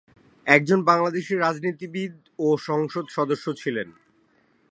একজন বাংলাদেশী রাজনীতিবিদ ও সংসদ সদস্য ছিলেন।